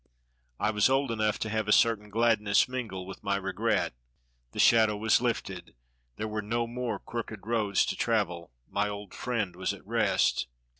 I was old enough to have a certain gladness mingle with my regret. The shadow was lifted; there were no more crooked roads to travel; my old friend was at rest.